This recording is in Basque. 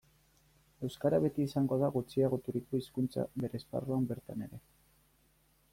Euskara beti izango da gutxiagoturiko hizkuntza bere esparruan bertan ere.